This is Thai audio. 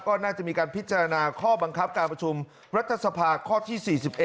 ก็น่าจะมีการพิจารณาข้อบังคับการประชุมรัฐสภาข้อที่๔๑